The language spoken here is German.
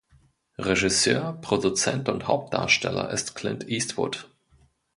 Regisseur, Produzent und Hauptdarsteller ist Clint Eastwood.